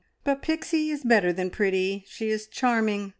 But Pixie is better than pretty, she is charming.